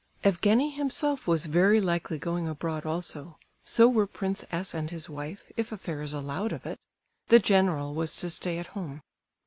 Evgenie himself was very likely going abroad also; so were Prince S. and his wife, if affairs allowed of it; the general was to stay at home.